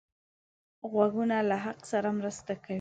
غوږونه له حق سره مرسته کوي